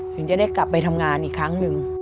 ถึงจะได้กลับไปทำงานอีกครั้งหนึ่ง